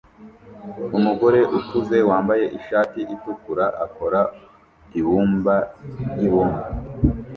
Umugore ukuze wambaye ishati itukura akora ibumba ryibumba